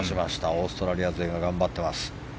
オーストラリア勢が頑張っています。